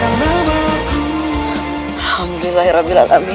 alhamdulillah ya rabi'allah amin